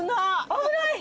危ない！